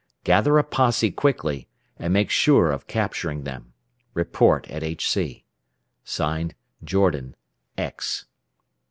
Gather a posse quickly, and make sure of capturing them. Report at HC. "(Signed) Jordan, X."